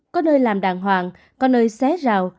có nơi làm đàng hoàng có nơi xé rào